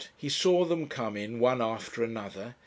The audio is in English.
He saw them come in one after another.